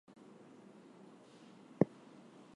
He is also said to have written on the geology of Selkirkshire.